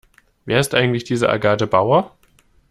Wer ist eigentlich diese Agathe Bauer?